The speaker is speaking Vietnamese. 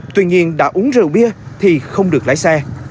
tuy nhiên đã uống rượu bia thì không được lái xe